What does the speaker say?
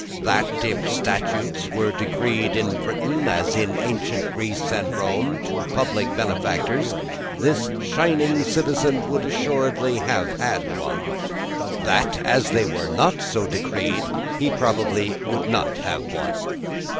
That, if statues were decreed in Britain, as in ancient Greece and Rome, to public benefactors, this shining citizen would assuredly have had one. That, as they were not so decreed, he probably would not have one.